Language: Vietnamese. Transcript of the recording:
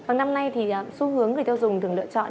vào năm nay thì xu hướng người tiêu dùng thường lựa chọn